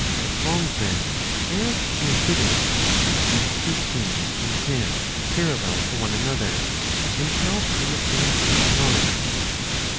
As long, then, as he is sitting, he keeps his feet and head parallel to one another and not in the same straight line.